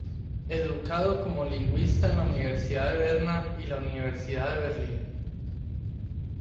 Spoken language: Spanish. Educado como lingüista en la Universidad de Berna y la Universidad de Berlín.